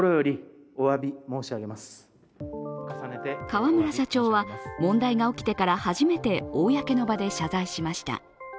河村社長は、問題が起きてから初めて公の場で謝罪しました。